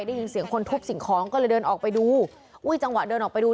ได้ยินเสียงคนทุบสิ่งของก็เลยเดินออกไปดูอุ้ยจังหวะเดินออกไปดู